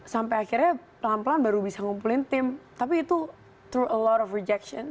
sampai akhirnya pelan pelan baru bisa ngumpulin tim tapi itu melalui banyak penolakan